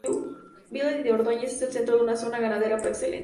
Batlle y Ordóñez es el centro de una zona ganadera por excelencia.